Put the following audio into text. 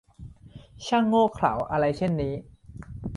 ช่างโง่เขลาอะไรเช่นนี้ !